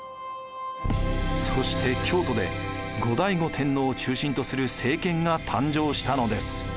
そして京都で後醍醐天皇を中心とする政権が誕生したのです。